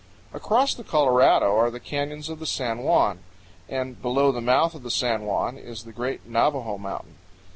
Across the Colorado are the canyons of the San Juan, and below the mouth of the San Juan is the great Navajo Mountain.